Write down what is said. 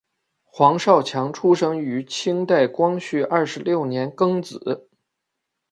黄少强出生于清代光绪二十六年庚子。